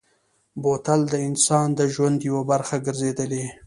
بوتل د انسان د ژوند یوه برخه ګرځېدلې.